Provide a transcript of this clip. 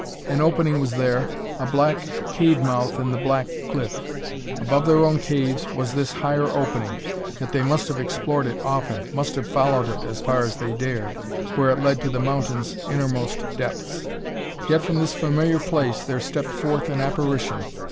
An opening was there, a black cave mouth in the black cliff. Above their own caves, was this higher opening, yet they must have explored it often must have followed it as far as they dared, where it led to the mountain's innermost depths. Yet from this familiar place there stepped forth an apparition.